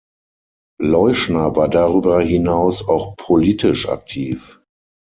Leuschner war darüber hinaus auch politisch aktiv.